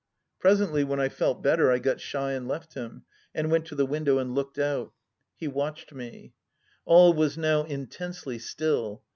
Presently, when I felt better, I got shy and left him, and went to the window and looked out. He watched me. ... All was now intensely still.